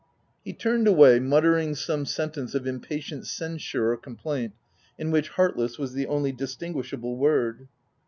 He turned away, muttering some sentence of impatient censure or complaint, in which " heartless H was the only distinguishable word.